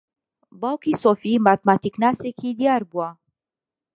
باوکی سۆفی ماتماتیکناسێکی دیار بوو.